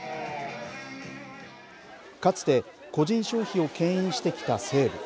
かつて個人消費をけん引してきた西武。